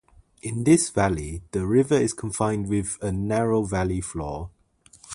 In this valley, the river is confined with a narrow valley floor.